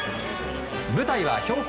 舞台は標高